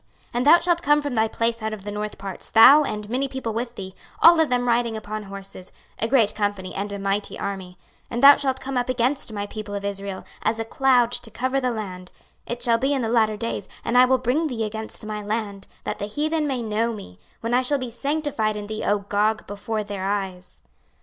26:038:015 And thou shalt come from thy place out of the north parts, thou, and many people with thee, all of them riding upon horses, a great company, and a mighty army: 26:038:016 And thou shalt come up against my people of Israel, as a cloud to cover the land; it shall be in the latter days, and I will bring thee against my land, that the heathen may know me, when I shall be sanctified in thee, O Gog, before their eyes.